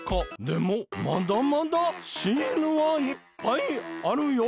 でもまだまだシールはいっぱいあるよ。